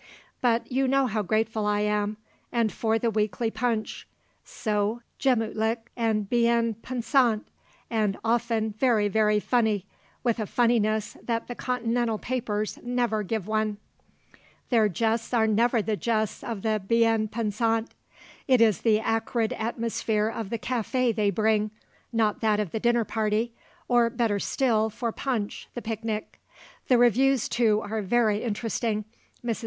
But you know how grateful I am. And for the weekly Punch; so gemütlich and bien pensant and, often, very, very funny, with a funniness that the Continental papers never give one; their jests are never the jests of the bien pensant. It is the acrid atmosphere of the café they bring, not that of the dinner party, or, better still, for Punch, the picnic. The reviews, too, are very interesting. Mrs.